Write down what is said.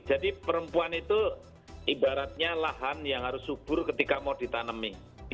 jadi perempuan itu ibaratnya lahan yang harus subur ketika mau ditanami